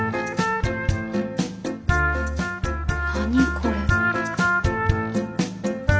何これ。